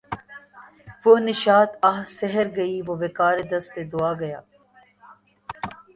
وہ نشاط آہ سحر گئی وہ وقار دست دعا گیا